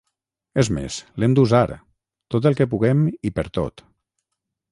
És més, l’hem d’usar, tot el que puguem i per tot.